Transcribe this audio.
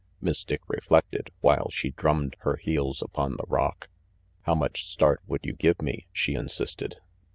Miss Dick reflected, while she drummed her heels 302 RANGY PETE upon the rock. "How much start would you give me?" she insisted.